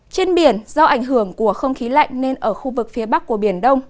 trên biển do ảnh hưởng của không khí lạnh nên ở khu vực phía bắc của biển đông